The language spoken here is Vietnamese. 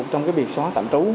trong việc xóa tạm trú